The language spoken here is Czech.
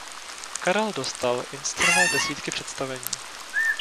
Karel Dostal inscenoval desítky představení.